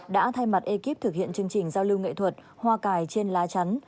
đã thay mặt ekip thực hiện chương trình giao lưu nghệ thuật hoa cài trên lá chắn